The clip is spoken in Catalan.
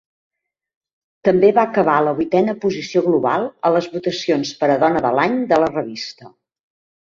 També va acabar a la vuitena posició global a les votacions per a Dona de l'Any de la revista.